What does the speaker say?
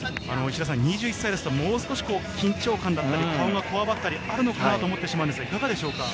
２１歳ですと、もう少し緊張感だったり、顔がこわばったりあるのかなと思いますが、いかがでしょうか？